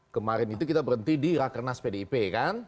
kemarin itu kita berhenti di rakernas pdip kan